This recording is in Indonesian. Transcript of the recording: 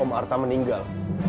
om arta meninggal